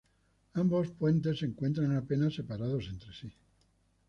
Ambos puentes se encuentran apenas separados entre sí.